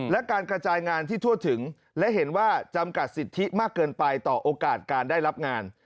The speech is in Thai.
และการกระจายงานที่ทั่วถึงและเห็นว่าจำกัดสิทธิมากเกินไปต่อโอกาสการได้รับงาน